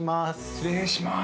失礼します。